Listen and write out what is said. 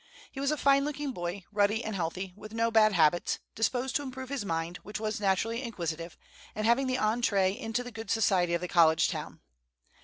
He was a fine looking boy, ruddy and healthy, with no bad habits, disposed to improve his mind, which was naturally inquisitive, and having the entrée into the good society of the college town.